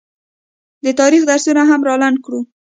د تاریخ درسونه هم رالنډ کړو